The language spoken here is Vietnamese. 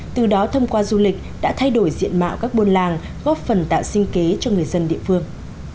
từ đó thông qua du lịch đã thay đổi diện mạo các buôn làng góp phần tạo sinh kế cho người dân địa phương